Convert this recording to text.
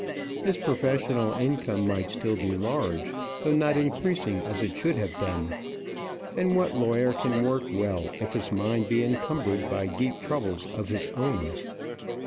His professional income might still be large, though not increasing as it should have done. And what lawyer can work well if his mind be encumbered by deep troubles of his own?